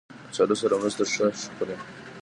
کچالو سره مستې ښه خوري